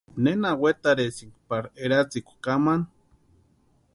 ¿Nena wetarhisïnki pari eratsikwa kamani?